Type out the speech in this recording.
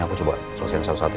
aku coba selesaikan satu satu